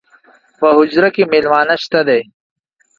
پۀ حجره کې میلمانۀ شته دي